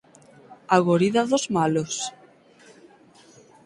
A gorida dos malos?